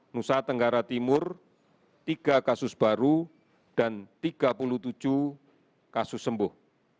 nusa tenggara timur tiga kasus baru dan tiga puluh tujuh kasus sembuh